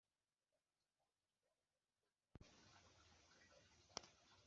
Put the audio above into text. Ishusho y’uko abaturage babona serivisi zitangwa n’inzego z’ibanze ku rwego rw’intara